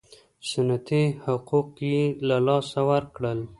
سنتي حقوق یې له لاسه ورکړل.